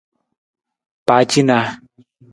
Pacinaa.